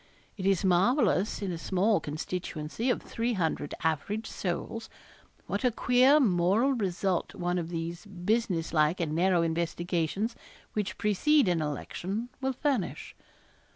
It is marvellous in a small constituency of 300 average souls, what a queer moral result one of these business like and narrow investigations which precede an election will furnish.